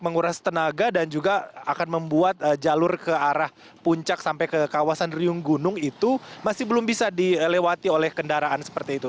menguras tenaga dan juga akan membuat jalur ke arah puncak sampai ke kawasan riung gunung itu masih belum bisa dilewati oleh kendaraan seperti itu